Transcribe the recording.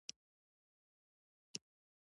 د زوفا ګل د ساه لنډۍ لپاره وکاروئ